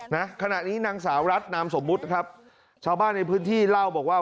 นะขณะนี้นางสาวรัฐนามสมมุติครับชาวบ้านในพื้นที่เล่าบอกว่า